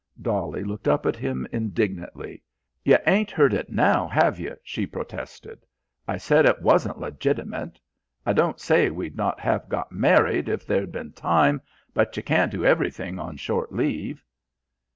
Dolly looked up at him indignantly. "You ain't heard it now, have you?" she protested. "I said it wasn't legitimate. I don't say we'd not have got married if there'd been time, but you can't do everything on short leave."